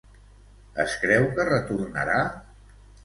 Es creu que retornarà?